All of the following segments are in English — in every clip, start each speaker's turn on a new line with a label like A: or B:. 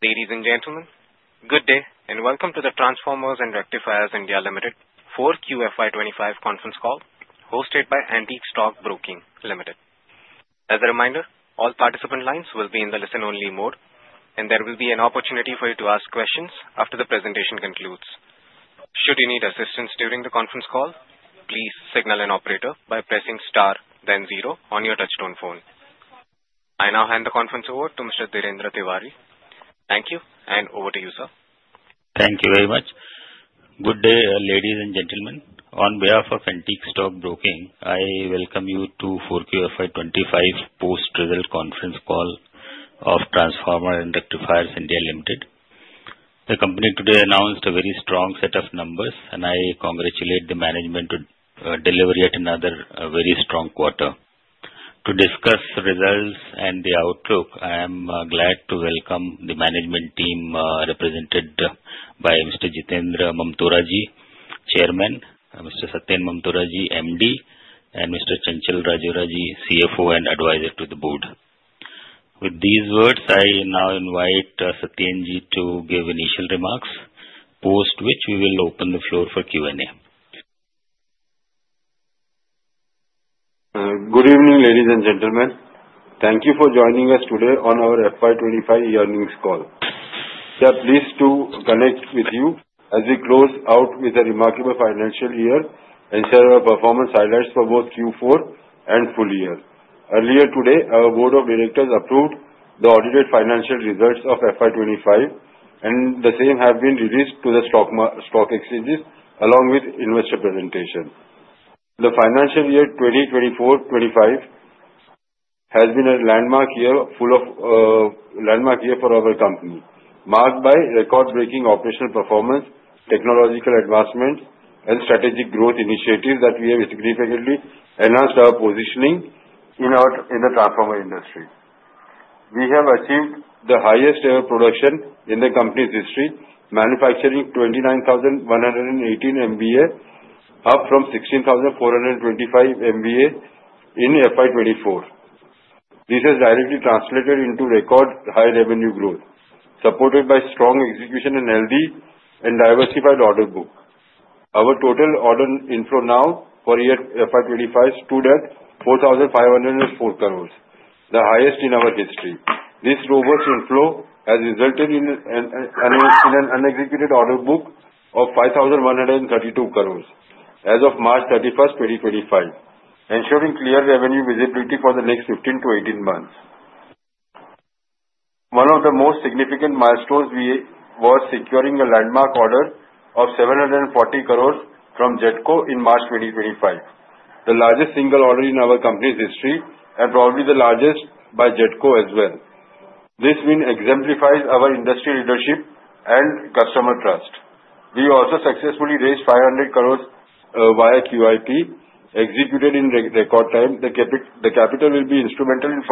A: Ladies and gentlemen, good day and welcome to the Transformers and Rectifiers (India) Limited 4Q FY 2025 conference call, hosted by Antique Stock Broking Limited. As a reminder, all participant lines will be in the listen-only mode, and there will be an opportunity for you to ask questions after the presentation concludes. Should you need assistance during the conference call, please signal an operator by pressing star, then zero on your touch-tone phone. I now hand the conference over to Mr. Dhirendra Tiwari. Thank you, and over to you, sir.
B: Thank you very much. Good day, ladies and gentlemen. On behalf of Antique Stock Broking, I welcome you to 4Q FY 2025 post-result conference call of Transformers and Rectifiers (India) Limited. The company today announced a very strong set of numbers, and I congratulate the management to deliver yet another very strong quarter. To discuss results and the outlook, I am glad to welcome the management team represented by Mr. Jitendra Mamtora, Chairman, Mr. Satyen Mamtora MD, and Mr. Chanchal Rajora, CFO and Advisor to the Board. With these words, I now invite Satyen to give initial remarks, post which we will open the floor for Q&A.
C: Good evening, ladies and gentlemen. Thank you for joining us today on our FY 2025 earnings call. We are pleased to connect with you as we close out with a remarkable financial year and share our performance highlights for both Q4 and full year. Earlier today, our Board of Directors approved the audited financial results of FY 2025, and the same have been released to the stock exchanges along with investor presentation. The financial year 2024-2025 has been a landmark year for our company, marked by record-breaking operational performance, technological advancement, and strategic growth initiatives that we have significantly enhanced our positioning in the transformer industry. We have achieved the highest-ever production in the company's history, manufacturing 29,118 MVA, up from 16,425 MVA in FY 2024. This has directly translated into record-high revenue growth, supported by strong execution in LD and diversified order book. Our total order inflow now for year FY 2025 stood at 4,504 crores, the highest in our history. This robust inflow has resulted in an unexecuted order book of 5,132 crores as of March 31, 2025, ensuring clear revenue visibility for the next 15-18 months. One of the most significant milestones was securing a landmark order of 740 crores from GETCO in March 2025, the largest single order in our company's history and probably the largest by GETCO as well. This win exemplifies our industry leadership and customer trust. We also successfully raised 500 crores via QIP, executed in record time. The capital will be instrumental in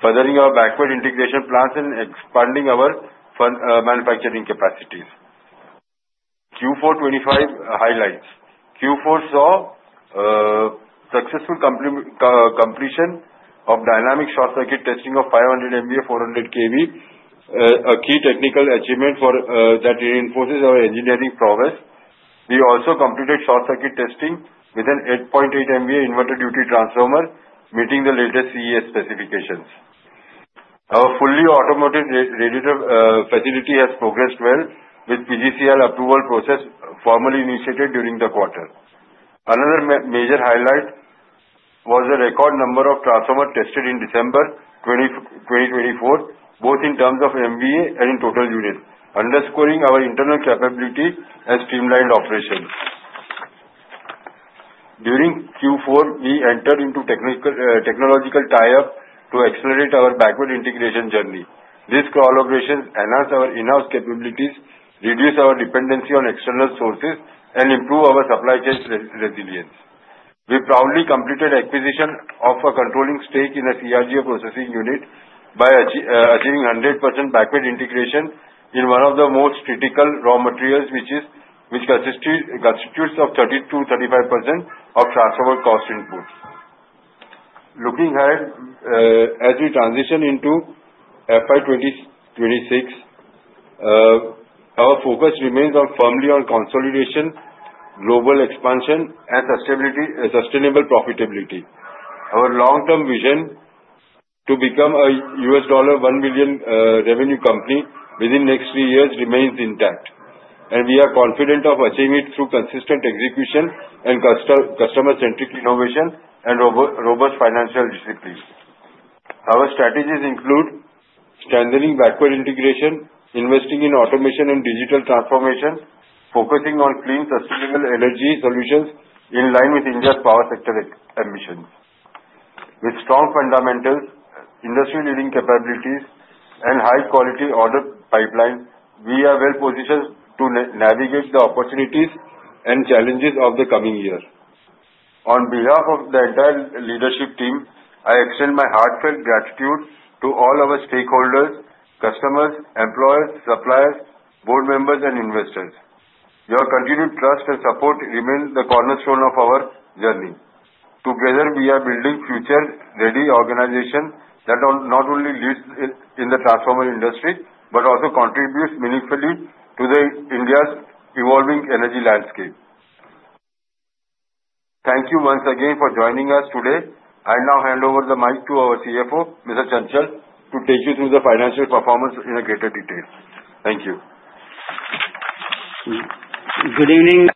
C: furthering our backward integration plans and expanding our manufacturing capacities. Q4 FY 2025 highlights: Q4 saw successful completion of dynamic short-circuit testing of 500 MVA, 400 kV, a key technical achievement that reinforces our engineering prowess. We also completed short-circuit testing with an 8.8 MVA inverter duty transformer, meeting the latest CES specifications. Our fully automated radiator facility has progressed well with PGCIL approval process formally initiated during the quarter. Another major highlight was the record number of transformers tested in December 2024, both in terms of MVA and in total unit, underscoring our internal capability and streamlined operations. During Q4, we entered into technological tie-up to accelerate our backward integration journey. This core operation enhanced our in-house capabilities, reduced our dependency on external sources, and improved our supply chain resilience. We proudly completed acquisition of a controlling stake in a CRGO processing unit by achieving 100% backward integration in one of the most critical raw materials, which constitutes 30%-35% of transformer cost input. Looking ahead, as we transition into FY 2026, our focus remains firmly on consolidation, global expansion, and sustainable profitability. Our long-term vision to become a $1 billion revenue company within the next three years remains intact, and we are confident of achieving it through consistent execution and customer-centric innovation and robust financial disciplines. Our strategies include strengthening backward integration, investing in automation and digital transformation, focusing on clean, sustainable energy solutions in line with India's power sector ambitions. With strong fundamentals, industry-leading capabilities, and high-quality order pipelines, we are well-positioned to navigate the opportunities and challenges of the coming year. On behalf of the entire leadership team, I extend my heartfelt gratitude to all our stakeholders: customers, employers, suppliers, board members, and investors. Your continued trust and support remain the cornerstone of our journey. Together, we are building a future-ready organization that not only leads in the transformer industry but also contributes meaningfully to India's evolving energy landscape. Thank you once again for joining us today. I now hand over the mic to our CFO, Mr. Chanchal, to take you through the financial performance in greater detail. Thank you.
D: Good evening,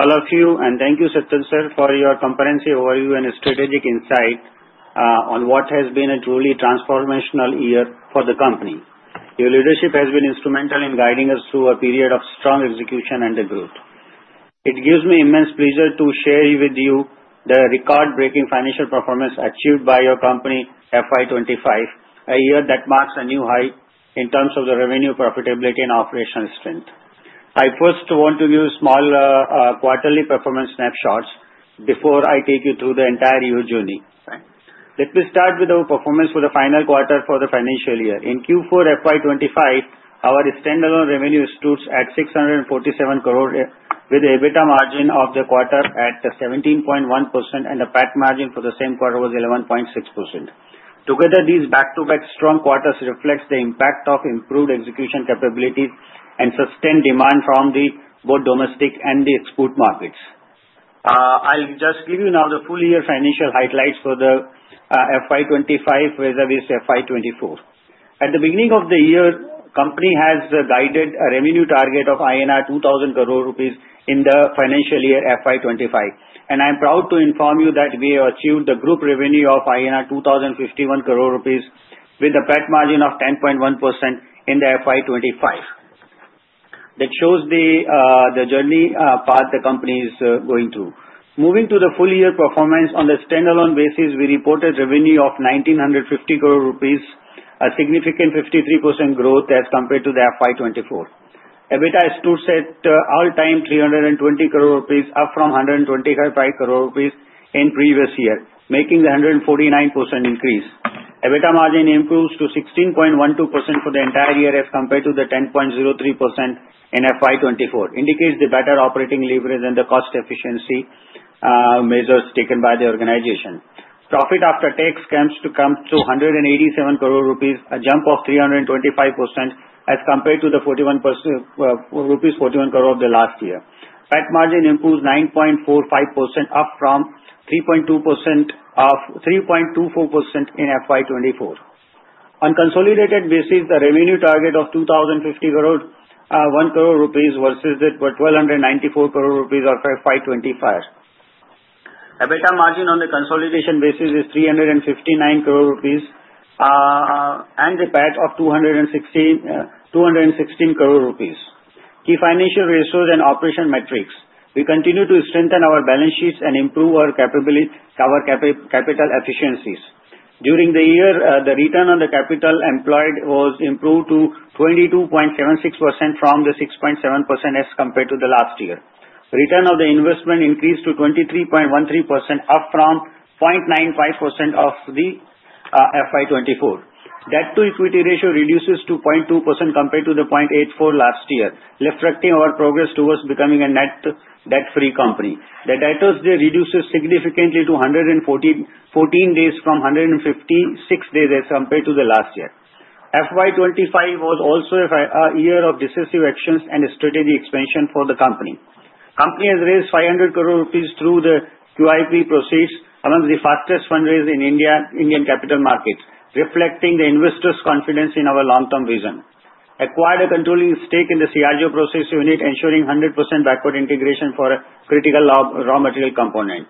D: all of you, and thank you, Satyen sir, for your comprehensive overview and strategic insight on what has been a truly transformational year for the company. Your leadership has been instrumental in guiding us through a period of strong execution and growth. It gives me immense pleasure to share with you the record-breaking financial performance achieved by your company, FY 2025, a year that marks a new high in terms of the revenue, profitability, and operational strength. I first want to give you small quarterly performance snapshots before I take you through the entire year journey. Let me start with our performance for the final quarter for the financial year. In Q4, FY 2025, our standalone revenue stood at 647 crore, with an EBITDA margin of the quarter at 17.1%, and the PAT margin for the same quarter was 11.6%. Together, these back-to-back strong quarters reflect the impact of improved execution capabilities and sustained demand from both domestic and the export markets. I'll just give you now the full-year financial highlights for FY 2025 versus FY 2024. At the beginning of the year, the company has guided a revenue target of 2,000 crore rupees in the financial year FY 2025, and I'm proud to inform you that we have achieved the group revenue of 2,051 crore rupees with a PAT margin of 10.1% in FY 2025. That shows the journey path the company is going through. Moving to the full-year performance, on a standalone basis, we reported revenue of 1,950 crore rupees, a significant 53% growth as compared to FY 2024. EBITDA stood at all-time 320 crore rupees, up from 125 crore rupees in the previous year, making a 149% increase. EBITDA margin improved to 16.12% for the entire year as compared to the 10.03% in FY 2024, indicating better operating leverage and the cost-efficiency measures taken by the organization. Profit after tax comes to 187 crore rupees, a jump of 325% as compared to the rupees 41 crore of the last year. PAT margin improved 9.45%, up from 3.24% in FY 2024. On a consolidated basis, the revenue target of 2,051 crore versus 1,294 crore rupees of FY 2025. EBITDA margin on the consolidated basis is 359 crore rupees and the PAT of 216 crore rupees. Key financial resources and operational metrics: We continue to strengthen our balance sheets and improve our capital efficiencies. During the year, the return on the capital employed was improved to 22.76% from the 6.7% as compared to last year. Return on the investment increased to 23.13%, up from 0.95% of FY 2024. Debt-to-equity ratio reduced to 0.2% compared to 0.84% last year, reflecting our progress towards becoming a net debt-free company. The debtor days reduced significantly to 114 days from 156 days as compared to last year. FY 2025 was also a year of decisive actions and strategic expansion for the company. The company has raised 500 crore rupees through the QIP proceeds, among the fastest fund-raisers in Indian capital markets, reflecting the investors' confidence in our long-term vision. Acquired a controlling stake in the CRGO process unit, ensuring 100% backward integration for a critical raw material component.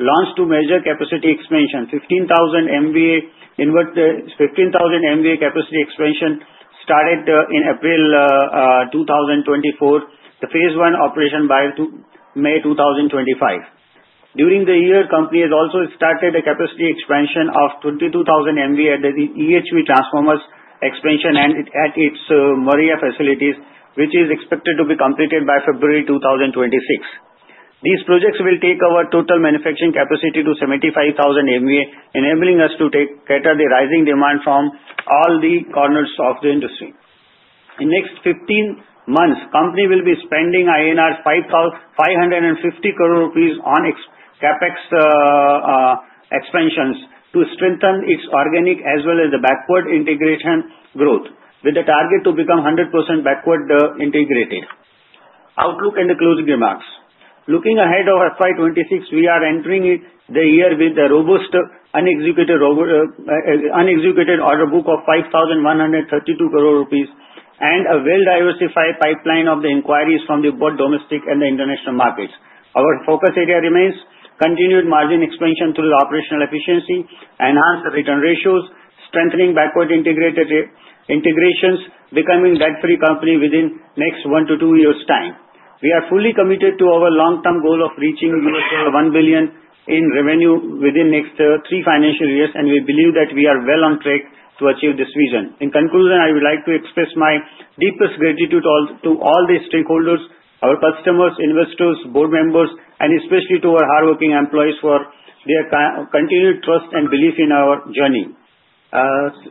D: Launched a massive capacity expansion: 15,000 MVA capacity expansion started in April 2024, phase one operation by May 2025. During the year, the company has also started a capacity expansion of 22,000 MVA at the EHV transformers expansion and at its Moraiya facilities, which is expected to be completed by February 2026. These projects will take our total manufacturing capacity to 75,000 MVA, enabling us to cater to the rising demand from all the corners of the industry. In the next 15 months, the company will be spending 550 crore rupees on CapEx expansions to strengthen its organic as well as the backward integration growth, with the target to become 100% backward integrated. Outlook and the closing remarks: Looking ahead to FY 2026, we are entering the year with a robust unexecuted order book of INR 5,132 crore and a well-diversified pipeline of inquiries from both domestic and international markets. Our focus area remains continued margin expansion through operational efficiency, enhanced return ratios, strengthening backward integrations, and becoming a debt-free company within the next one to two years' time. We are fully committed to our long-term goal of reaching $1 billion in revenue within the next three financial years, and we believe that we are well on track to achieve this vision. In conclusion, I would like to express my deepest gratitude to all the stakeholders, our customers, investors, board members, and especially to our hardworking employees for their continued trust and belief in our journey.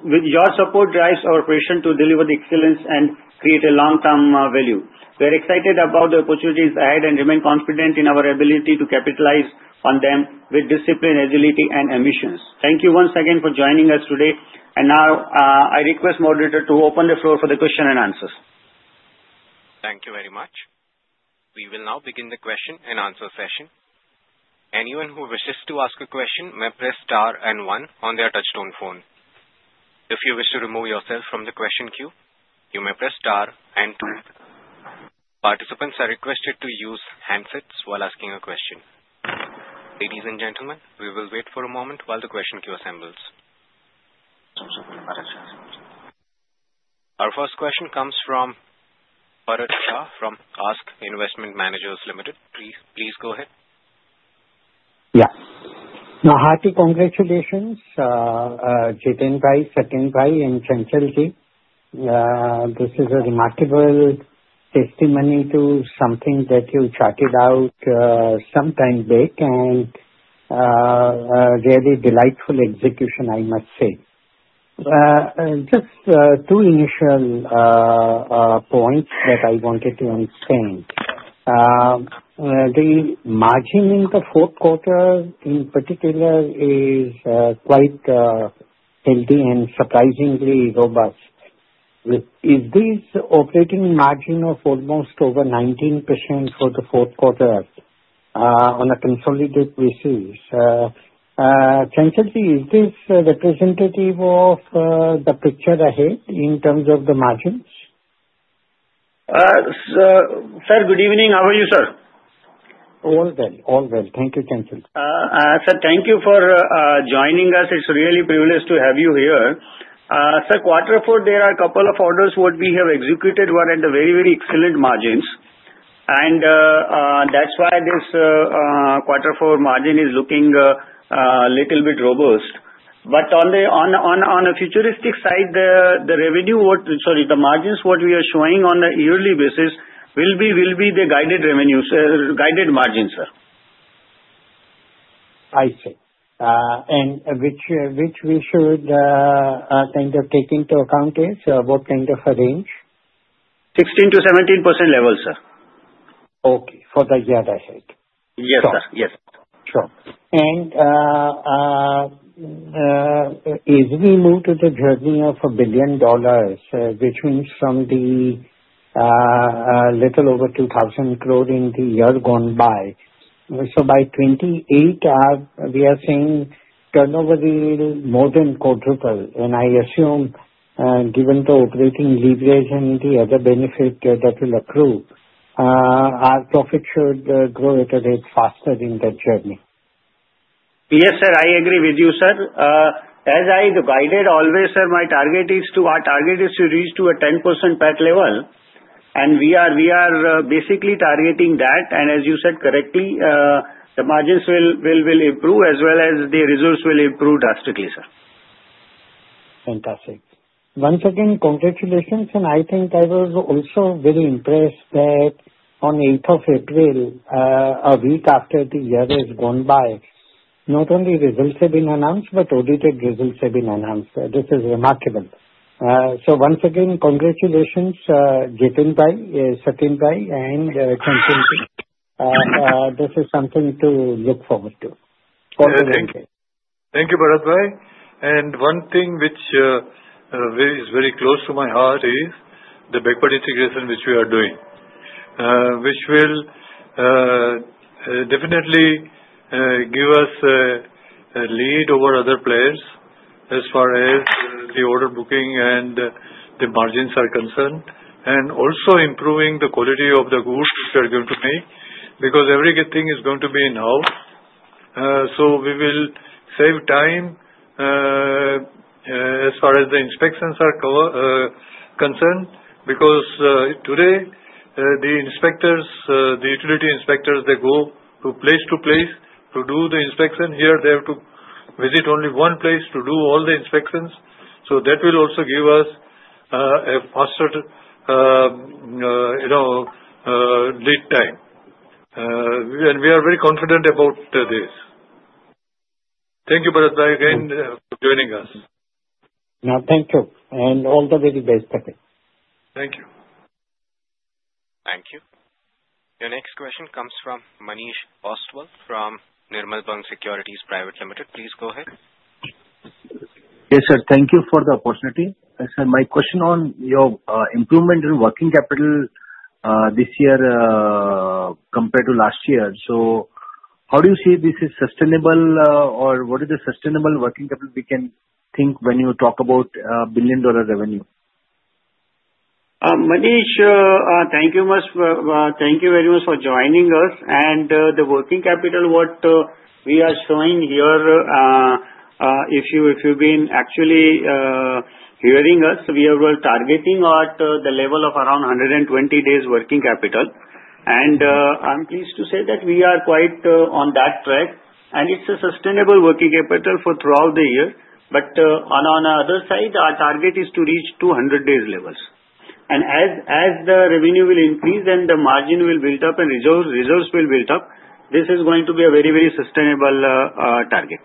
D: Your support drives our operation to deliver the excellence and create long-term value. We are excited about the opportunities ahead and remain confident in our ability to capitalize on them with discipline, agility, and ambitions. Thank you once again for joining us today. And now, I request the moderator to open the floor for the question and answers.
A: Thank you very much. We will now begin the question and answer session. Anyone who wishes to ask a question may press star and one on their touch-tone phone. If you wish to remove yourself from the question queue, you may press star and two. Participants are requested to use handsets while asking a question. Ladies and gentlemen, we will wait for a moment while the question queue assembles. Our first question comes from Bharat Shah from ASK Investment Managers Limited. Please go ahead.
E: Yeah. No, hearty congratulations, Jitendra bhai, Satyen bhai, and Chanchal ji. This is a remarkable testimony to something that you charted out some time back and a very delightful execution, I must say. Just two initial points that I wanted to [explain]. The margin in the fourth quarter, in particular, is quite healthy and surprisingly robust. Is this operating margin of almost over 19% for the fourth quarter on a consolidated basis? Chanchal ji, is this representative of the picture ahead in terms of the margins?
D: Sir, good evening. How are you, sir?
E: All well. All well. Thank you, Chanchalji.
D: Sir, thank you for joining us. It's really a privilege to have you here. Sir, quarter four, there are a couple of orders that we have executed at very, very excellent margins, and that's why this quarter four margin is looking a little bit robust, but on a futuristic side, the revenue, sorry, the margins that we are showing on a yearly basis will be the guided margins, sir.
E: I see. And which we should kind of take into account is? What kind of a range?
D: 16%-17% level, sir.
E: Okay. For the year ahead.
D: Yes, sir. Yes.
E: Sure. And as we move to the journey of $1 billion, which means from a little over 2,000 crore in the year gone by, so by 2028, we are seeing turnover will more than quadruple. And I assume, given the operating leverage and the other benefit that will accrue, our profit should grow at a rate faster in that journey.
D: Yes, sir. I agree with you, sir. As I guided always, sir, my target is to, our target is to reach to a 10% PAT level, and we are basically targeting that, and as you said correctly, the margins will improve as well as the results will improve drastically, sir.
E: Fantastic. Once again, congratulations, and I think I was also very impressed that on 8th of April, a week after the year has gone by, not only results have been announced but audited results have been announced. This is remarkable, so once again, congratulations, Jitendra bhai, Satyen bhai, and Chanchal ji. This is something to look forward to.
C: Thank you. Thank you, Bharat bhai. And one thing which is very close to my heart is the backward integration which we are doing, which will definitely give us a lead over other players as far as the order booking and the margins are concerned, and also improving the quality of the goods which are going to be because everything is going to be in-house. So we will save time as far as the inspections are concerned because today, the inspectors, the utility inspectors, they go from place to place to do the inspection. Here, they have to visit only one place to do all the inspections. So that will also give us a faster lead time. And we are very confident about this. Thank you, Bharat bhai, again for joining us.
E: No, thank you. And all the very best.
C: Thank you.
A: Thank you. Your next question comes from Manish Ostwal from Nirmal Bang Securities Private Limited. Please go ahead.
F: Yes, sir. Thank you for the opportunity. My question on your improvement in working capital this year compared to last year. So how do you see this is sustainable, or what is the sustainable working capital we can think when you talk about $1 billion revenue?
D: Manish, thank you very much for joining us, and the working capital that we are showing here, if you've been actually hearing us, we are targeting at the level of around 120 days working capital, and I'm pleased to say that we are quite on that track, and it's a sustainable working capital for throughout the year, but on the other side, our target is to reach 200 days levels, and as the revenue will increase and the margin will build up and resources will build up, this is going to be a very, very sustainable target.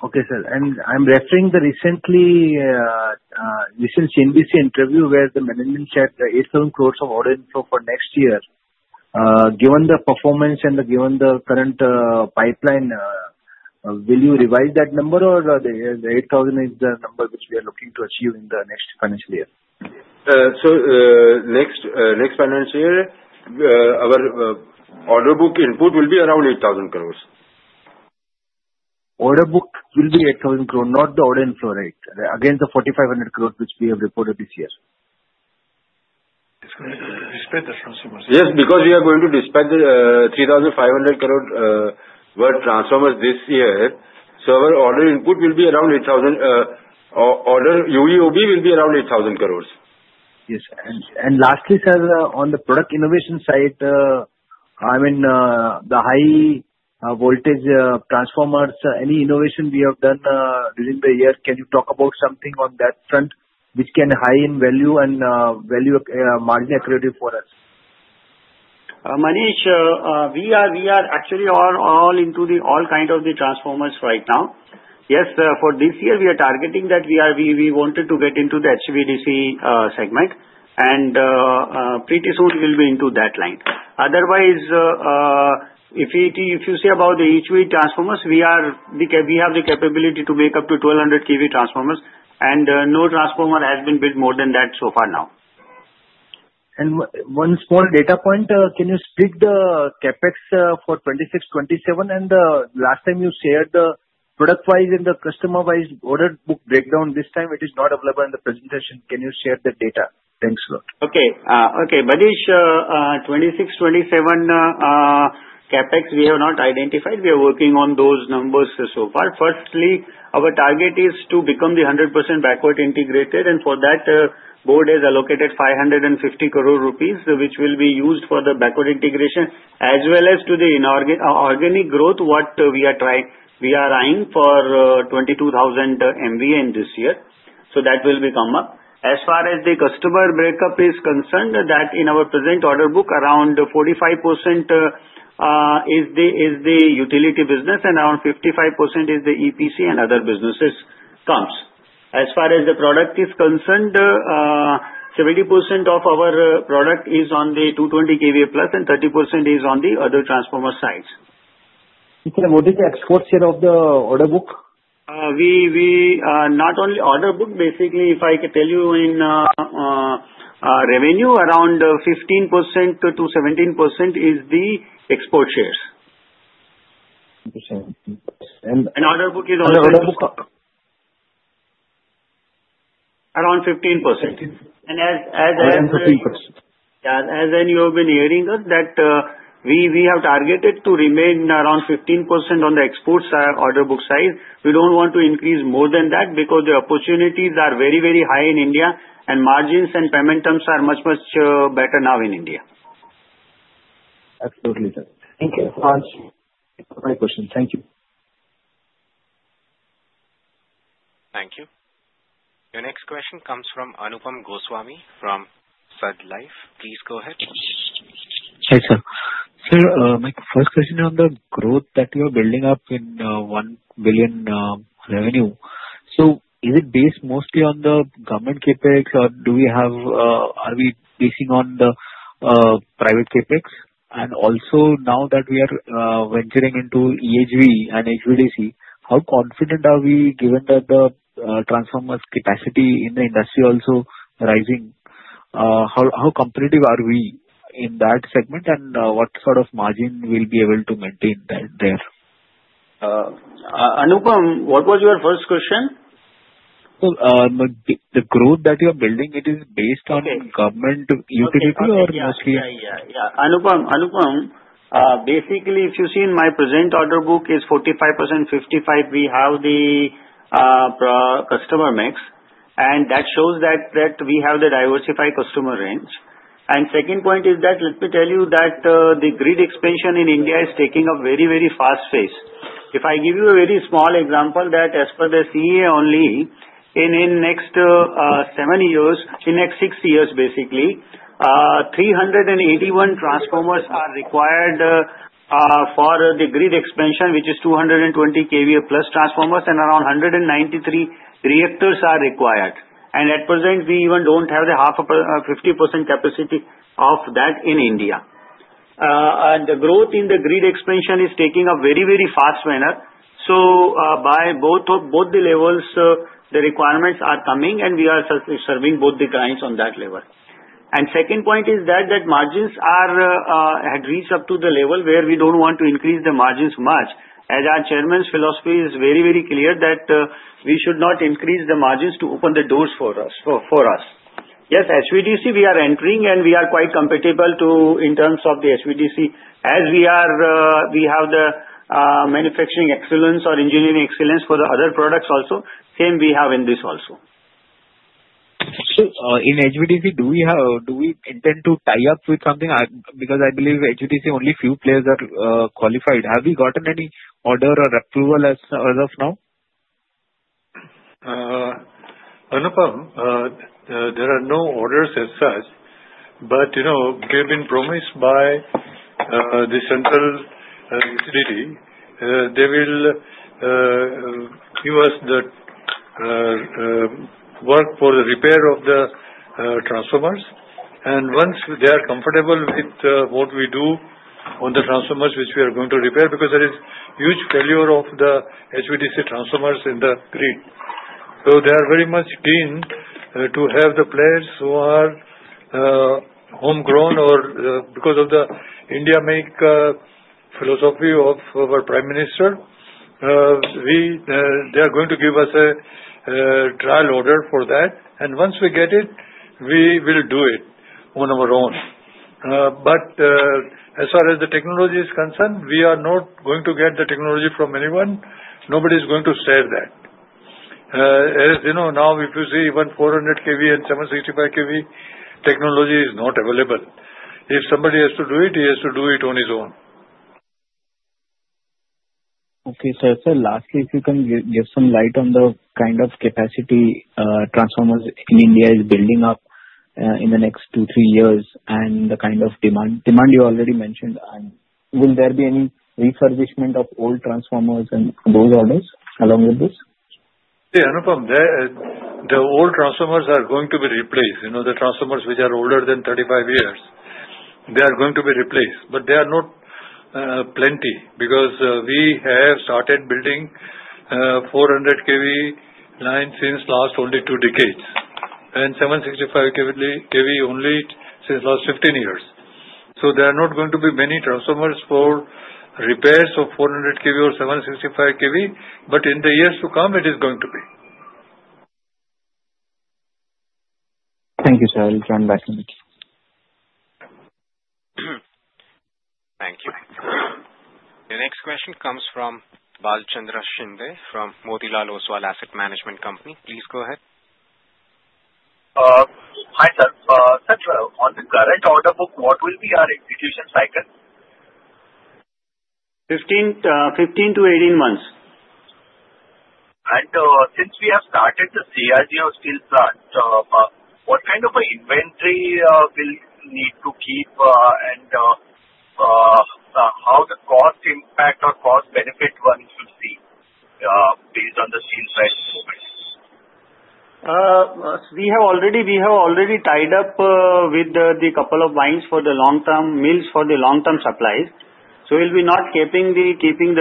F: Okay, sir. And I'm referring the recently CNBC interview where the management shared the 8,000 crores of order inflow for next year. Given the performance and given the current pipeline, will you revise that number, or the 8,000 crores is the number which we are looking to achieve in the next financial year?
C: Next financial year, our order book input will be around 8,000 crores.
F: Order book will be 8,000 crore, not the order inflow rate, against the 4,500 crore which we have reported this year.
D: Dispense the transformers.
C: Yes, because we are going to dispatch 3,500 crore worth of transformers this year. So our order inflow will be around 8,000 crores. Order book will be around 8,000 crores.
F: Yes. And lastly, sir, on the product innovation side, I mean, the high-voltage transformers, any innovation we have done during the year, can you talk about something on that front which can high in value and value margin accuracy for us?
D: Manish, we are actually all into all kinds of the transformers right now. Yes, for this year, we are targeting that we wanted to get into the HVDC segment. And pretty soon, we'll be into that line. Otherwise, if you see about the HV transformers, we have the capability to make up to 1,200 kV transformers. And no transformer has been built more than that so far now.
F: One small data point. Can you split the CapEx for 2026-2027? Last time, you shared the product-wise and the customer-wise order book breakdown. This time, it is not available in the presentation. Can you share the data? Thanks a lot.
D: Okay. Okay. Manish, 2026-2027 CapEx, we have not identified. We are working on those numbers so far. Firstly, our target is to become 100% backward integrated. And for that, the board has allocated 550 crore rupees, which will be used for the backward integration as well as to the organic growth, what we are trying. We are eyeing for 22,000 MVA in this year. So that will come up. As far as the customer breakup is concerned, that in our present order book, around 45% is the utility business, and around 55% is the EPC and other businesses' comps. As far as the product is concerned, 70% of our product is on the 220 kVA plus and 30% is on the other transformer sides.
F: What is the export share of the order book?
D: Not only order book, basically, if I could tell you in revenue, around 15%-17% is the export shares.
F: 17%.
D: Order book is also around 15%.
F: 15%.
D: And as.
F: 15%.
D: As you have been hearing us, that we have targeted to remain around 15% on the export order book side. We don't want to increase more than that because the opportunities are very, very high in India, and margins and payment terms are much, much better now in India.
F: Absolutely, sir. Thank you so much for answering my question. Thank you.
A: Thank you. Your next question comes from Anupam Goswami from SUD Life. Please go ahead.
G: Hi, sir. Sir, my first question on the growth that you are building up in $1 billion revenue. So is it based mostly on the government CapEx, or are we basing on the private CapEx? And also, now that we are venturing into EHV and HVDC, how confident are we, given that the transformer capacity in the industry is also rising? How competitive are we in that segment, and what sort of margin will we be able to maintain there?
D: Anupam, what was your first question?
G: The growth that you are building, it is based on government utility or mostly?
D: Yeah, yeah, yeah, yeah. Anupam, basically, if you see in my present order book, it's 45%, 55%. We have the customer mix, and that shows that we have the diversified customer range. Second point is that, let me tell you that the grid expansion in India is taking a very, very fast pace. If I give you a very small example, that as per the CEA only, in the next seven years, in the next six years, basically, 381 transformers are required for the grid expansion, which is 220 kV plus transformers and around 193 reactors are required. At present, we even don't have the 50% capacity of that in India. The growth in the grid expansion is taking a very, very fast manner. So by both the levels, the requirements are coming, and we are serving both the clients on that level. Second point is that margins have reached up to the level where we don't want to increase the margins much. As our chairman's philosophy is very, very clear that we should not increase the margins to open the doors for us. Yes, HVDC, we are entering, and we are quite compatible in terms of the HVDC as we have the manufacturing excellence or engineering excellence for the other products also. Same we have in this also.
G: In HVDC, do we intend to tie up with something? Because I believe HVDC, only a few players are qualified. Have we gotten any order or approval as of now?
C: Anupam, there are no orders as such. But we have been promised by the central utility. They will give us the work for the repair of the transformers. And once they are comfortable with what we do on the transformers which we are going to repair because there is huge failure of the HVDC transformers in the grid. So they are very much keen to have the players who are homegrown or because of the India-make philosophy of our Prime Minister, they are going to give us a trial order for that. And once we get it, we will do it on our own. But as far as the technology is concerned, we are not going to get the technology from anyone. Nobody is going to share that. As you know, now, if you see even 400 kVA and 765 kVA, technology is not available. If somebody has to do it, he has to do it on his own.
G: Okay. Sir, lastly, if you can give some light on the kind of capacity transformers India is building up in the next two, three years and the kind of demand you already mentioned, will there be any refurbishment of old transformers and those orders along with this?
C: Yeah, Anupam, the old transformers are going to be replaced. The transformers which are older than 35 years, they are going to be replaced. But they are not plenty because we have started building 400 kVA lines since last only two decades and 765 kVA only since last 15 years. So there are not going to be many transformers for repairs of 400 kVA or 765 kVA. But in the years to come, it is going to be.
G: Thank you, sir. I'll turn back to you.
A: Thank you. Your next question comes from Bhalchandra Shinde from Motilal Oswal Asset Management Company. Please go ahead.
H: Hi, sir. Sir, on the current order book, what will be our execution cycle?
D: 15-18 months.
H: Since we have started the CRGO steel plant, what kind of inventory will we need to keep, and how the cost impact or cost benefit one should see?
D: We have already tied up with the couple of mines for the long-term mills for the long-term supplies. So we'll be not keeping the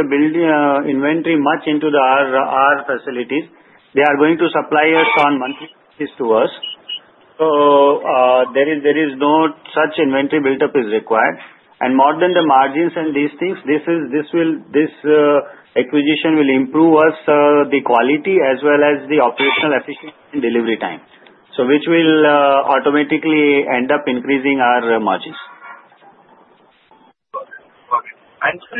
D: inventory much into our facilities. They are going to supply us on monthly basis to us. So there is no such inventory buildup is required. And more than the margins and these things, this acquisition will improve us the quality as well as the operational efficiency and delivery time, which will automatically end up increasing our margins.
H: Okay.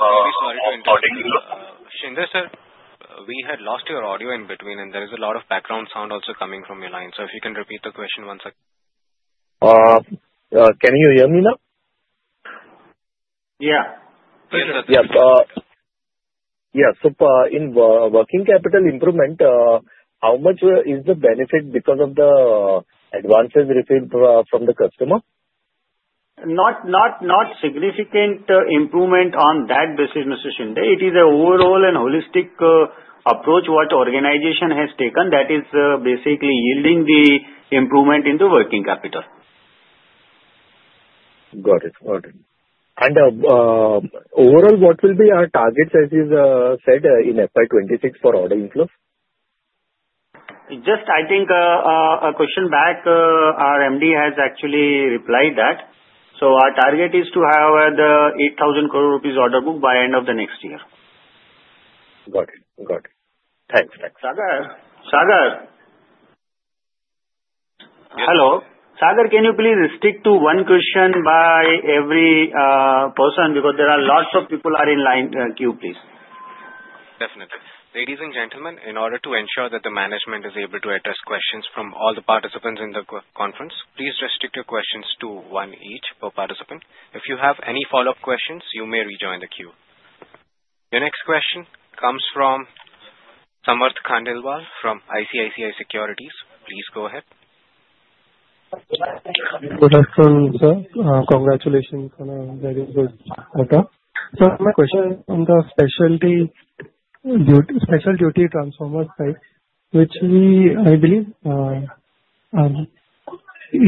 C: Maybe, sorry to interrupt. Shinde, sir, we had lost your audio in between, and there is a lot of background sound also coming from your line. So if you can repeat the question once again.
H: Can you hear me now?
C: Yeah.
H: Yes, sir.
C: Yes.
H: Yeah. So in working capital improvement, how much is the benefit because of the advances received from the customer?
D: Not a significant improvement on that, Mr. Shinde. It is an overall and holistic approach that the organization has taken that is basically yielding the improvement in the working capital.
H: Got it. Got it. And overall, what will be our targets, as you said, in FY 2026 for order inflow?
D: Just I think a question back. Our MD has actually replied that. So our target is to have the 8,000 crore rupees order book by end of the next year.
H: Got it. Got it. Thanks. Thanks.
D: Sagar. Sagar. Hello. Sagar, can you please stick to one question by every person because there are lots of people in line queue, please?
A: Definitely. Ladies and gentlemen, in order to ensure that the management is able to address questions from all the participants in the conference, please restrict your questions to one each per participant. If you have any follow-up questions, you may rejoin the queue. Your next question comes from Samarth Khandelwal from ICICI Securities. Please go ahead.
I: Good afternoon, sir. Congratulations on a very good start. Sir, my question is on the specialty transformers side, which I believe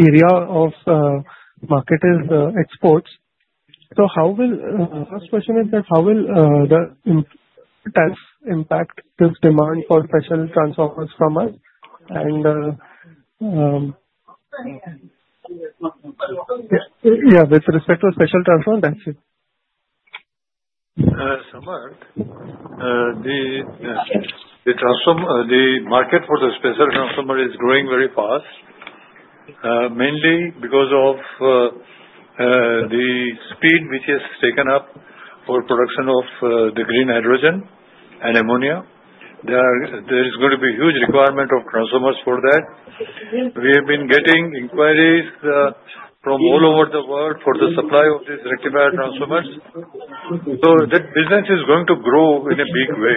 I: area of market is exports. So first question is that how will the tax impact this demand for specialty transformers from us? And yeah, with respect to specialty transformers, that's it.
C: Samarth, the market for the special transformer is growing very fast, mainly because of the speed which has taken up for production of the green hydrogen and ammonia. There is going to be a huge requirement of transformers for that. We have been getting inquiries from all over the world for the supply of these rectifier transformers. So that business is going to grow in a big way.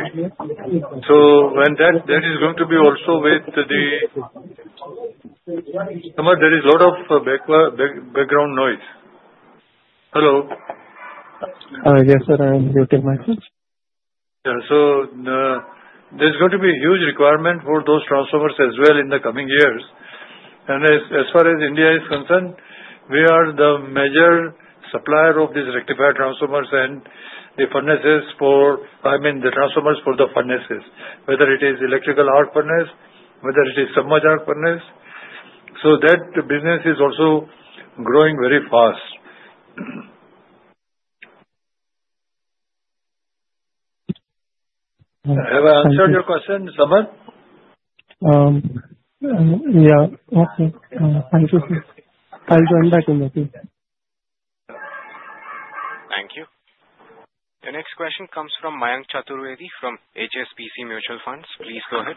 C: So there is going to be also with the Samarth, there is a lot of background noise. Hello.
I: Yes, sir. I am muting myself.
C: Yeah. So there's going to be a huge requirement for those transformers as well in the coming years. And as far as India is concerned, we are the major supplier of these rectifier transformers and the furnaces for I mean, the transformers for the furnaces, whether it is electric arc furnace, whether it is submerged arc furnace. So that business is also growing very fast. Have I answered your question, Samarth?
I: Yeah. Okay. Thank you, sir. I'll turn back to you.
A: Thank you. Your next question comes from Mayank Chaturvedi from HSBC Mutual Funds. Please go ahead.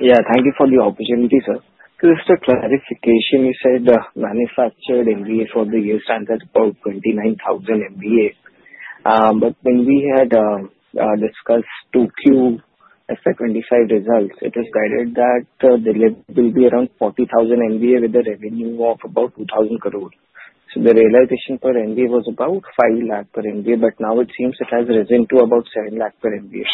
J: Yeah. Thank you for the opportunity, sir. Just a clarification. You said manufactured MVA for the year stands at 29,000 MVA. But when we had discussed Q2 FY 2025 results, it was guided that there will be around 40,000 MVA with a revenue of about 2,000 crore. So the realization per MVA was about 5 lakh per MVA, but now it seems it has risen to about 7 lakh per MVA.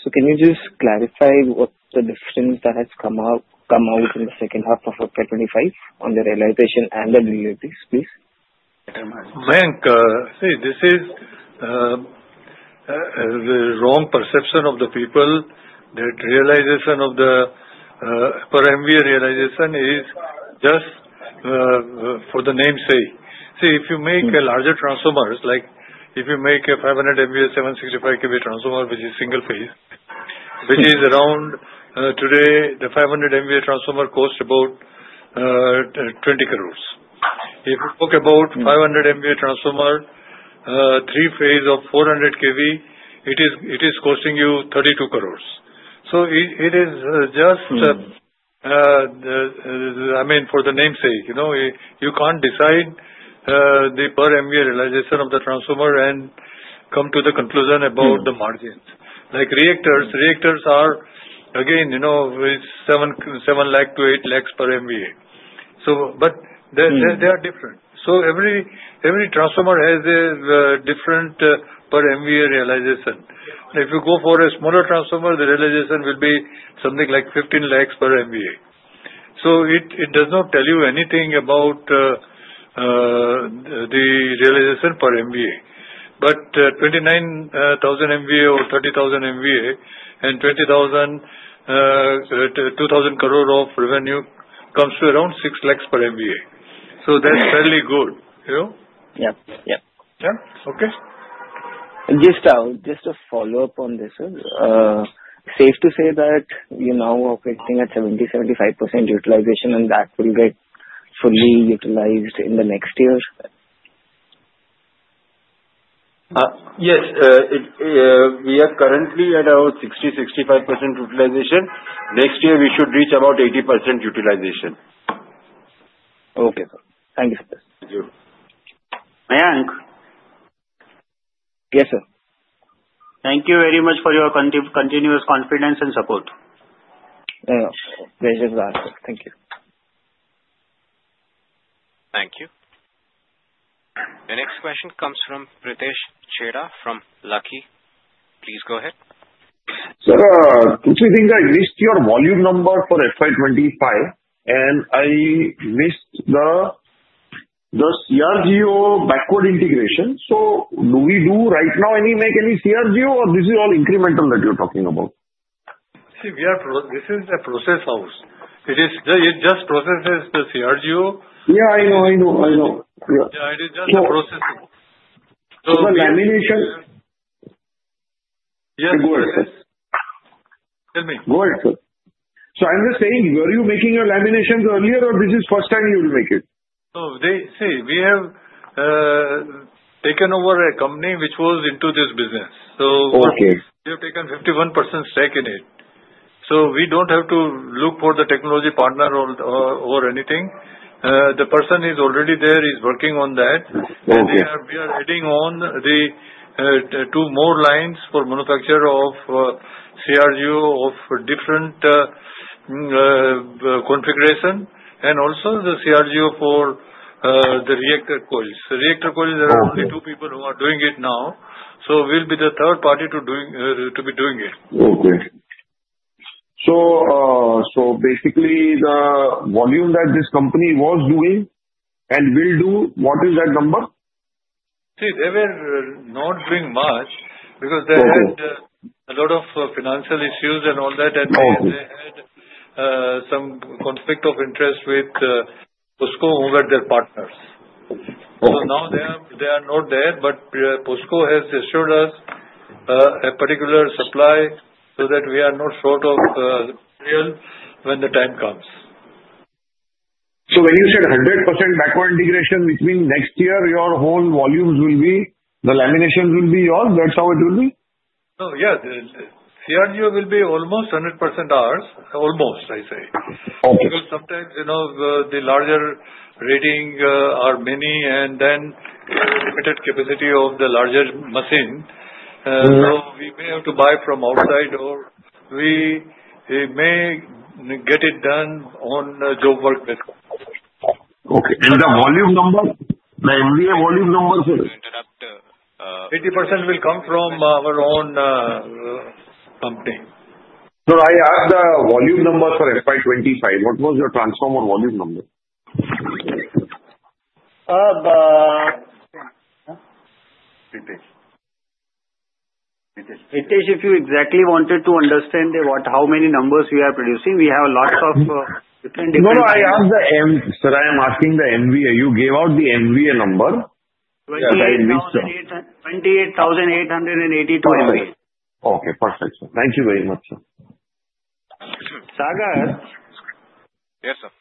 J: So can you just clarify what's the difference that has come out in the second half of FY 2025 on the realization and the deliveries, please?
C: Mayank, see, this is the wrong perception of the people. The realization of the per MVA realization is just for the name's sake. See, if you make a larger transformer, like if you make a 500 MVA, 765 kV transformer, which is single phase, which is around today, the 500 MVA transformer costs about 20 crores. If you talk about 500 MVA transformer, three phase of 400 kV, it is costing you 32 crores. So it is just, I mean, for the name's sake, you can't decide the per MVA realization of the transformer and come to the conclusion about the margins. Like reactors, reactors are, again, it's 7 lakh to 8 lakhs per MVA. But they are different. So every transformer has a different per MVA realization. If you go for a smaller transformer, the realization will be something like 15 lakhs per MVA. So it does not tell you anything about the realization per MVA. But 29,000 MVA or 30,000 MVA and 2,000 crore of revenue comes to around 6 lakhs per MVA. So that's fairly good. You know?
J: Yeah. Yeah.
C: Yeah? Okay.
J: Just a follow-up on this, sir. Safe to say that we're now operating at 70%-75% utilization, and that will get fully utilized in the next year?
C: Yes. We are currently at about 60%-65% utilization. Next year, we should reach about 80% utilization.
J: Okay, sir. Thank you, sir.
C: Thank you.
D: Mayank?
J: Yes, sir.
D: Thank you very much for your continuous confidence and support.
J: Pleasure to ask. Thank you.
A: Thank you. Your next question comes from Pritesh Chheda from Lucky. Please go ahead.
K: Sir, I think I missed your volume number for FY 2025, and I missed the CRGO backward integration. So, do we make any CRGO right now, or this is all incremental that you're talking about?
C: See, we are. This is a process house. It just processes the CRGO.
K: Yeah, I know. I know. I know.
C: Yeah. It is just processing.
K: So the lamination?
L: Yes.
K: Go ahead.
C: Tell me.
K: Go ahead, sir. So I'm just saying, were you making your laminations earlier, or this is the first time you will make it?
C: So see, we have taken over a company which was into this business. So we have taken 51% stake in it. So we don't have to look for the technology partner or anything. The person is already there, is working on that. We are adding on two more lines for manufacture of CRGO of different configuration and also the CRGO for the reactor coils. The reactor coils, there are only two people who are doing it now. So we'll be the third party to be doing it.
K: Okay. So basically, the volume that this company was doing and will do, what is that number?
C: See, they were not doing much because they had a lot of financial issues and all that, and they had some conflict of interest with Posco over their partners. So now they are not there, but Posco has assured us a particular supply so that we are not short of material when the time comes.
K: So when you said 100% backward integration, which means next year your whole volumes will be the laminations will be yours, that's how it will be?
C: No. Yeah. CRGO will be almost 100% ours. Almost, I say. Because sometimes the larger rating are many and then limited capacity of the larger machine. So, we may have to buy from outside or we may get it done on job work basis.
K: Okay. And the volume number, the MVA volume number, sir?
C: 80% will come from our own company.
K: Sir, I asked the volume number for FY 2025. What was your transformer volume number?
D: Pritesh, if you exactly wanted to understand how many numbers we are producing, we have lots of different.
K: No, no. I asked the MD sir, I am asking the MVA. You gave out the MVA number.
D: 28,882 MVA.
K: Okay. Perfect, sir. Thank you very much, sir.
D: Sagar?
A: Yes, sir.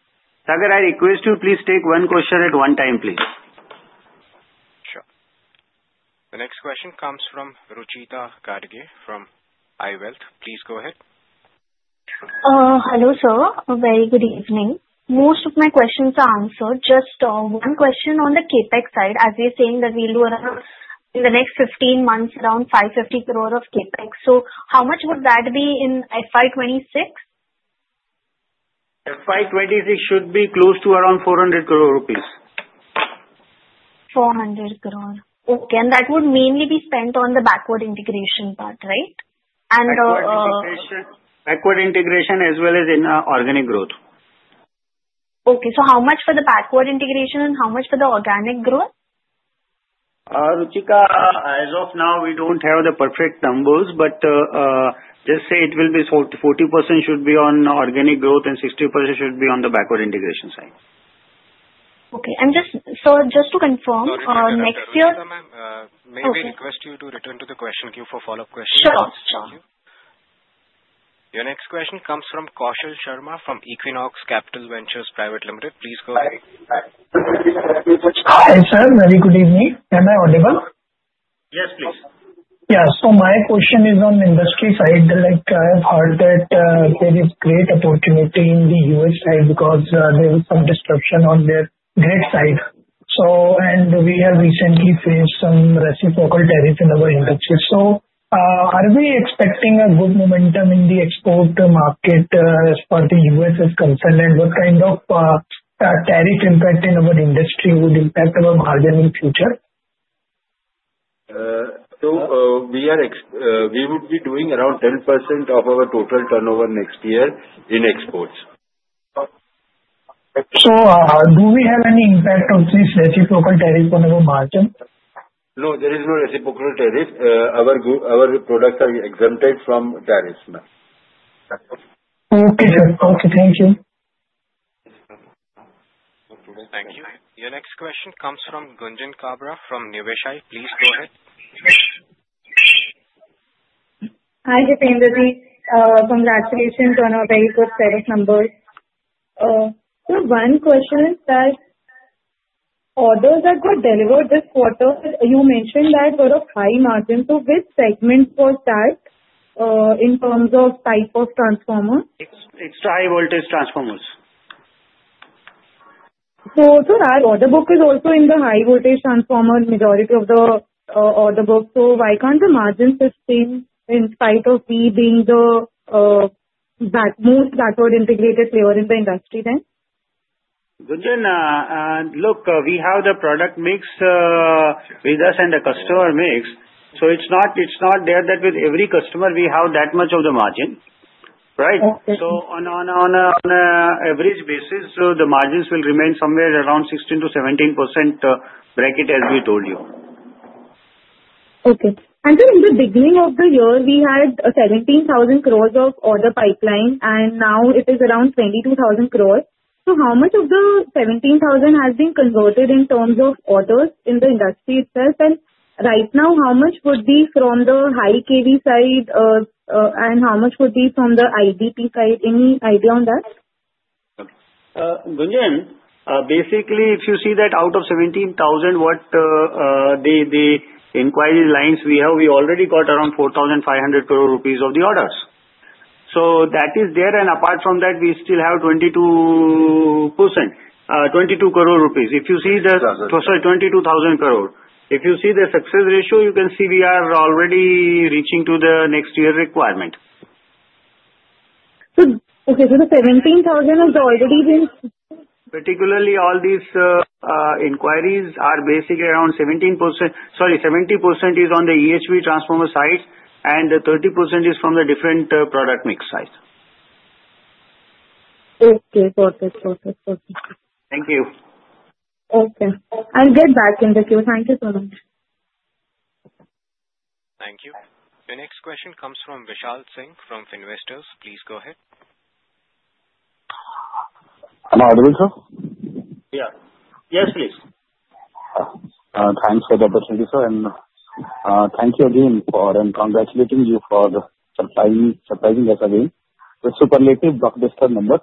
L: Sagar, I request you, please take one question at one time, please.
A: Sure. The next question comes from Rucheeta Kadge from I-WEALTH. Please go ahead.
M: Hello, sir. Very good evening. Most of my questions are answered. Just one question on the CapEx side. As you're saying that we'll do around in the next 15 months, around 550 crore of CapEx. So how much would that be in FY 2026?
D: FY 2026 should be close to around 400 crore
M: rupees. 400 crore. Okay, and that would mainly be spent on the backward integration part, right?
D: Backward integration as well as in organic growth.
M: Okay, so how much for the backward integration and how much for the organic growth?
D: Rucheeta, as of now, we don't have the perfect numbers, but just say it will be 40% should be on organic growth and 60% should be on the backward integration side.
M: Okay, and just to confirm, next year.
A: May I request you to return to the question queue for follow-up questions?
M: Sure.
A: Thank you. Your next question comes from Kaushal Sharma from Equinox Capital Ventures Private Limited. Please go ahead.
N: Hi, sir. Very good evening. Am I audible?
D: Yes, please.
N: Yeah. So my question is on industry side. I've heard that there is great opportunity in the U.S. side because there is some disruption on the grid side. And we have recently faced some reciprocal tariffs in our industry. So are we expecting a good momentum in the export market as far as the U.S. is concerned? And what kind of tariff impact in our industry would impact our margin in the future?
C: We would be doing around 10% of our total turnover next year in exports.
N: Do we have any impact of this reciprocal tariff on our margin?
C: No, there is no reciprocal tariff. Our products are exempted from tariffs.
N: Okay, sir. Okay. Thank you.
A: Thank you. Your next question comes from Gunjan Kabra from Niveshaay. Please go ahead.
O: Hi, Jitendraji. Congratulations on a very good tariff numbers. So one question is that orders that got delivered this quarter, you mentioned that were of high margin. So which segment was that in terms of type of transformer?
D: It's the high-voltage transformers.
O: So, sir, our order book is also in the high-voltage transformer, majority of the order book. So why can't the margins sustain in spite of we being the most backward integrated player in the industry then?
D: Gunjan, look, we have the product mix with us and the customer mix. So it's not there that with every customer, we have that much of the margin, right? So on an average basis, the margins will remain somewhere around 16%-17% bracket as we told you.
O: Okay. And sir, in the beginning of the year, we had 17,000 crores of order pipeline, and now it is around 22,000 crore. So how much of the 17,000 crore has been converted in terms of orders in the industry itself? And right now, how much would be from the high kV side, and how much would be from the IBP side? Any idea on that?
D: Gunjan, basically, if you see that out of 17,000 crore worth of the inquiry lines we have, we already got around 4,500 crore rupees of the orders. So that is there. And apart from that, we still have 22%, 22 crore rupees. If you see, sorry, 22,000 crore. If you see the success ratio, you can see we are already reaching to the next year requirement.
O: Okay, so the 17,000 crore has already been.
D: Particularly, all these inquiries are basically around 17% sorry, 70% is on the EHV transformer side, and 30% is from the different product mix side.
O: Okay. Perfect. Perfect. Perfect.
L: Thank you.
D: Okay. I'll get back in the queue. Thank you so much.
A: Thank you. Your next question comes from Vishal Singh from Finvestors. Please go ahead.
P: Am I audible, sir?
D: Yeah. Yes, please.
P: Thanks for the opportunity, sir. And thank you again for congratulating you for surprising us again with superlative buck-discount number.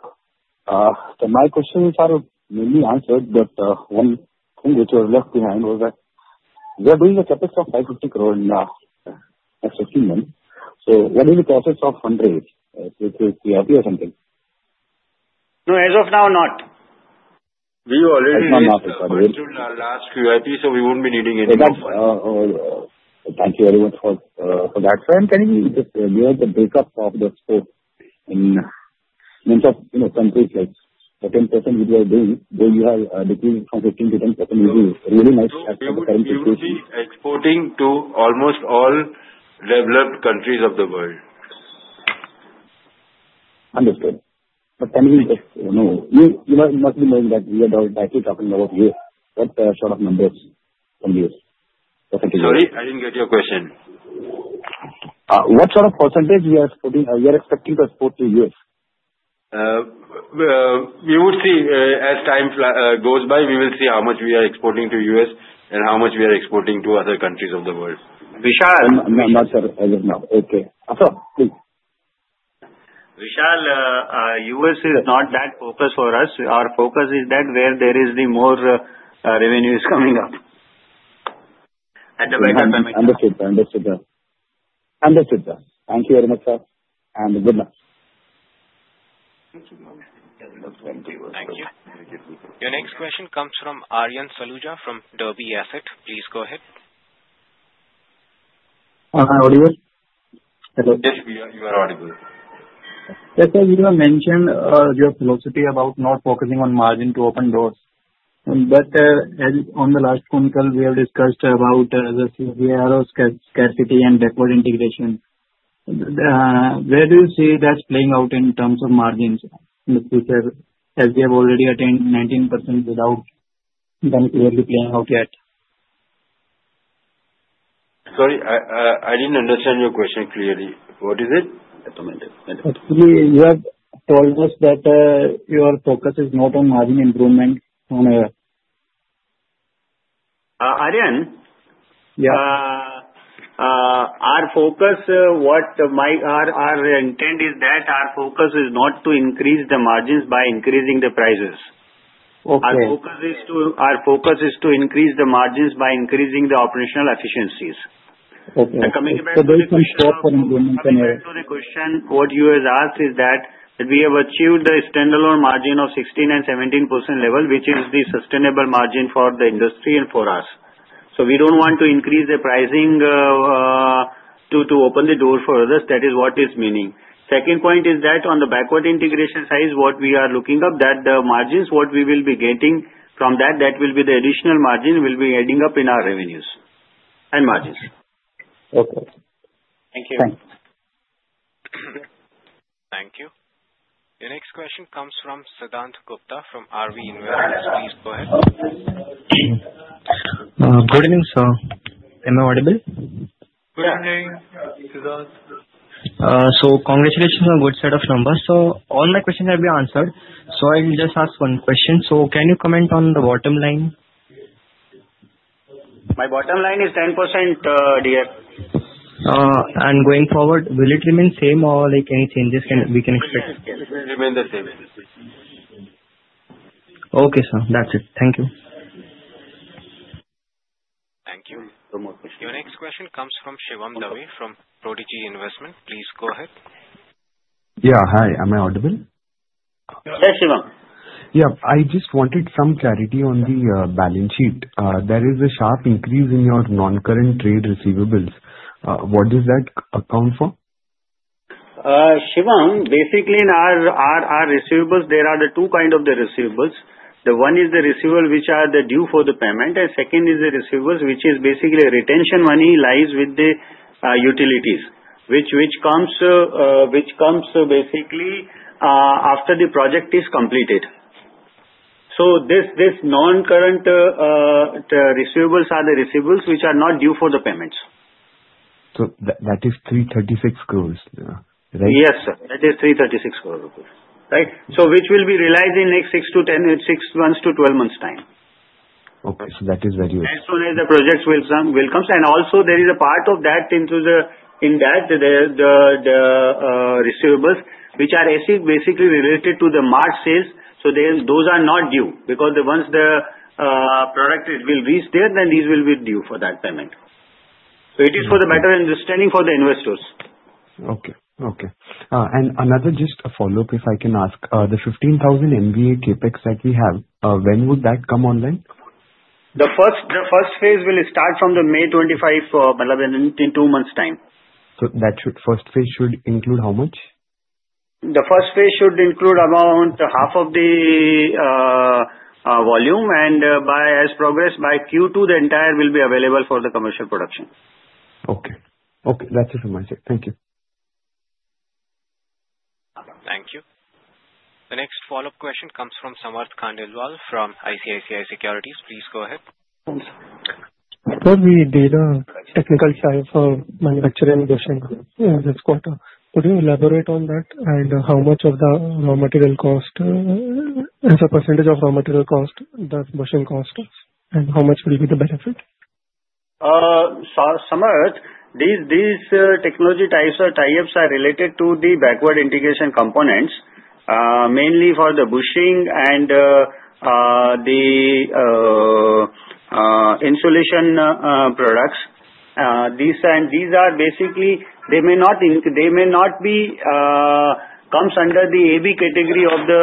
P: So my questions are mainly answered, but one thing which was left behind was that we are doing a CapEx of 550 crore in the next 15 months. So what is the process of fundraising? Is it QIP or something?
D: No, as of now, not.
C: We already scheduled our last QIP, so we won't be needing anything.
P: Thank you very much for that. Sir, and can you just give us the break-up of the scope in terms of countries like the 10% we were doing, where you have decreased from 15% to 10%? It is really nice to see the current situation.
C: We are exporting to almost all developed countries of the world.
P: Understood, but can you just know you must be knowing that we are directly talking about U.S., what sort of numbers from U.S.?
C: Sorry? I didn't get your question.
P: What sort of percentage we are exporting to U.S.?
C: We will see. As time goes by, we will see how much we are exporting to U.S. and how much we are exporting to other countries of the world.
D: Vishal?
C: No, not, sir. As of now. Okay.
P: Sir, please.
D: Vishal, U.S. is not that focused for us. Our focus is that where there is the more revenues coming up. At the right time.
P: Understood. Understood, sir. Understood, sir. Thank you very much, sir. And good luck.
A: Thank you. Your next question comes from Aaryan Saluja from Derby Asset Management. Please go ahead.
Q: Am I audible?
C: Yes, you are audible.
Q: Yes, sir. You have mentioned your philosophy about not focusing on margin to open doors. But on the last phone call, we have discussed about the CRGO scarcity and backward integration. Where do you see that playing out in terms of margins in the future as they have already attained 19% without them clearly playing out yet?
C: Sorry. I didn't understand your question clearly. What is it?
Q: But you have told us that your focus is not on margin improvement on a.
D: Aaryan?
Q: Yeah.
D: Our focus, what our intent is that our focus is not to increase the margins by increasing the prices. Our focus is to increase the margins by increasing the operational efficiencies.
Q: Okay, so basically, short term.
D: So the question what you have asked is that we have achieved the standalone margin of 16% and 17% level, which is the sustainable margin for the industry and for us. So we don't want to increase the pricing to open the door for others. That is what it's meaning. Second point is that on the backward integration side, what we are looking up, that the margins what we will be getting from that, that will be the additional margin will be adding up in our revenues and margins.
Q: Okay.
D: Thank you.
A: Thank you. Your next question comes from Siddhant Gupta from RV Investments. Please go ahead.
R: Good evening, sir. Am I audible?
D: Good evening.
R: So congratulations on a good set of numbers. So all my questions have been answered. So I'll just ask one question. So can you comment on the bottom line?
D: My bottom line is 10%, dear.
R: Going forward, will it remain same or any changes we can expect?
D: It will remain the same.
R: Okay, sir. That's it. Thank you.
A: Thank you so much. Your next question comes from Shivam Dave from Prodigy Investment. Please go ahead.
S: Yeah. Hi. Am I audible?
D: Yes, Shivam.
S: Yeah. I just wanted some clarity on the balance sheet. There is a sharp increase in your non-current trade receivables. What does that account for?
D: Shivam, basically, in our receivables, there are two kinds of the receivables. The one is the receivables which are due for the payment, and second is the receivables which is basically retention money lies with the utilities, which comes basically after the project is completed. So these non-current receivables are the receivables which are not due for the payments.
S: So that is 336 crores, right?
D: Yes, sir. That is 336 crores, right? So which will be realized in the next 6 to 12 months' time.
S: Okay. So that is very good.
D: As soon as the projects will come, and also there is a part of that into that, the receivables which are basically related to the March sales, so those are not due because once the product will reach there, then these will be due for that payment, so it is for the better understanding for the investors.
S: Okay. Okay. And another just follow-up, if I can ask, the 15,000 MVA CapEx that we have, when would that come online?
D: The first phase will start from the May 25, in two months' time.
S: So that first phase should include how much?
D: The first phase should include about half of the volume, and as progressed by Q2, the entire will be available for the commercial production.
S: Okay. Okay. That's it from my side. Thank you.
A: Thank you. The next follow-up question comes from Samarth Khandelwal from ICICI Securities. Please go ahead.
I: Sir, we did a technical tie-up for manufacturing bushing this quarter. Could you elaborate on that and how much of the raw material cost, as a percentage of raw material cost, the bushing cost, and how much will be the benefit?
D: Samarth, these technology types or tie-ups are related to the backward integration components, mainly for the bushing and the insulation products. These are basically they may not be comes under the AB category of the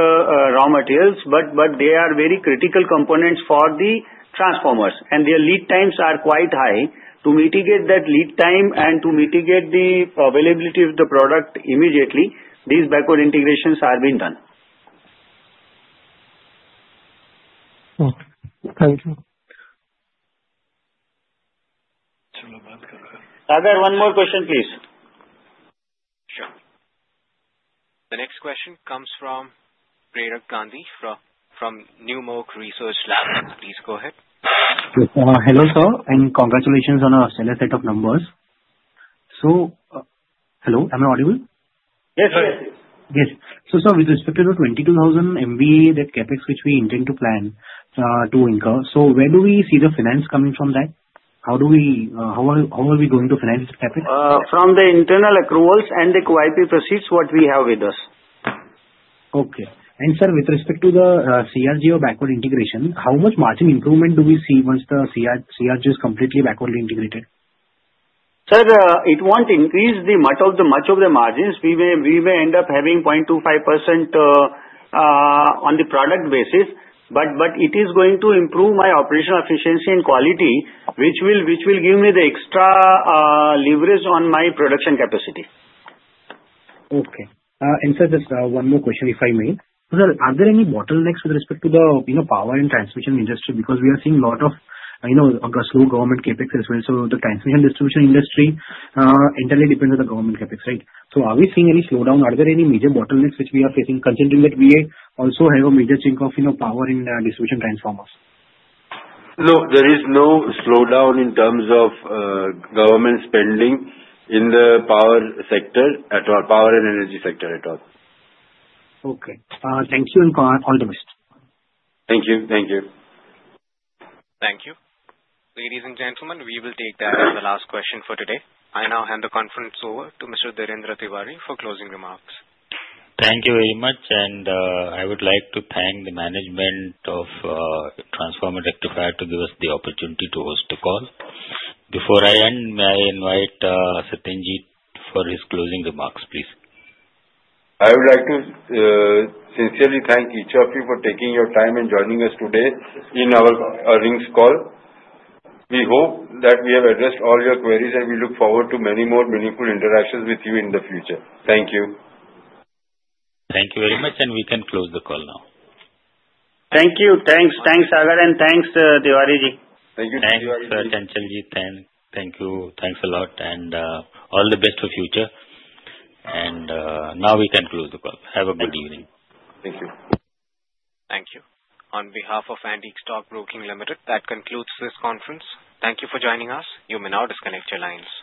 D: raw materials, but they are very critical components for the transformers, and their lead times are quite high. To mitigate that lead time and to mitigate the availability of the product immediately, these backward integrations have been done.
I: Okay. Thank you.
D: Sagar, one more question, please.
A: Sure. The next question comes from Prerak Gandhi from Neumerc Research Lab. Please go ahead.
T: Hello, sir. And congratulations on a stellar set of numbers. So, hello. Am I audible?
D: Yes, sir.
T: Yes. So, sir, with respect to the 22,000 MVA that CapEx which we intend to plan to incur, so where do we see the finance coming from that? How are we going to finance the CapEx?
D: From the internal accruals and the QIP proceeds, what we have with us.
T: Okay. And, sir, with respect to the CRGO backward integration, how much margin improvement do we see once the CRGO is completely backward integrated?
D: Sir, it won't increase much of the margins. We may end up having 0.25% on the product basis, but it is going to improve my operational efficiency and quality, which will give me the extra leverage on my production capacity.
T: Okay. And, sir, just one more question if I may. So, sir, are there any bottlenecks with respect to the power and transmission industry? Because we are seeing a lot of slow government CapEx as well. So the transmission distribution industry entirely depends on the government CapEx, right? So are we seeing any slowdown? Are there any major bottlenecks which we are facing, considering that we also have a major chunk of power in distribution transformers?
C: No, there is no slowdown in terms of government spending in the power sector at all, power and energy sector at all.
T: Okay. Thank you and all the best.
C: Thank you. Thank you.
A: Thank you. Ladies and gentlemen, we will take that as the last question for today. I now hand the conference over to Mr. Dhirendra Tiwari for closing remarks.
B: Thank you very much. And I would like to thank the management of Transformers and Rectifiers to give us the opportunity to host the call. Before I end, may I invite Satyenji for his closing remarks, please?
C: I would like to sincerely thank each of you for taking your time and joining us today in our earnings call. We hope that we have addressed all your queries, and we look forward to many more meaningful interactions with you in the future. Thank you.
B: Thank you very much, and we can close the call now.
D: Thank you. Thanks, Sagar, and thanks, Tiwari ji.
B: Thank you for your attention, ji. Thank you. Thanks a lot. And all the best for the future. And now we can close the call. Have a good evening.
C: Thank you.
A: Thank you. On behalf of Antique Stock Broking Limited, that concludes this conference. Thank you for joining us. You may now disconnect your lines.